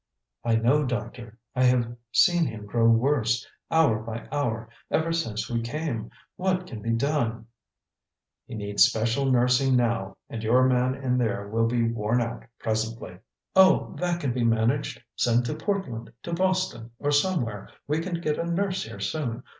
"I know, Doctor. I have seen him grow worse, hour by hour, ever since we came. What can be done?" "He needs special nursing now, and your man in there will be worn out presently." "Oh, that can be managed. Send to Portland, to Boston, or somewhere. We can get a nurse here soon.